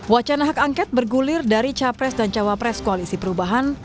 wacana hak angket bergulir dari capres dan cawapres koalisi perubahan